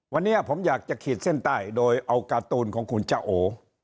วันนี้ผมอยากจะขีดเส้นใต้โดยเอาการ์ตูนของคุณจ้าโอ